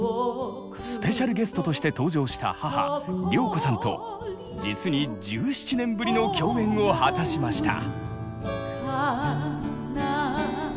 スペシャルゲストとして登場した母・良子さんと実に１７年ぶりの共演を果たしました。